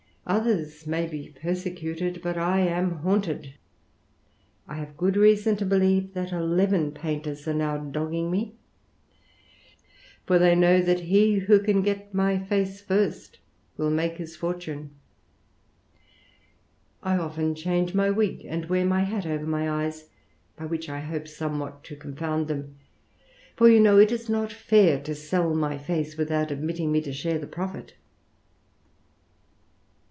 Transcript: Others may be persecuted, but I am haunted ; I have good reason to believe that eleven painters are now dogging iWi for they know that he who can get my face first will make his forlune. I often change my wig, and wear my fwt over my eyes, by which I hope somewhat to confound win ; for you know it is not fair to sell my face, without admitting me to share the profit.